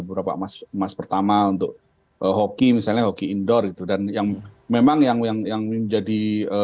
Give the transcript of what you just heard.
beberapa emas pertama untuk hoki misalnya hoki indoor gitu dan yang memang yang yang menjadi